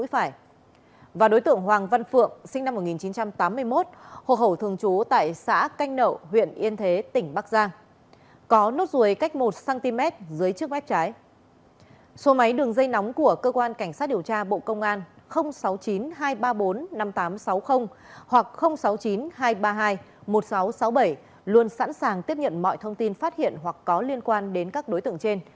hãy đăng ký kênh để ủng hộ kênh của chúng mình nhé